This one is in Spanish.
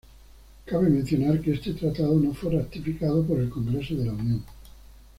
Cabe mencionar que este tratado no fue ratificado por el Congreso de la Unión.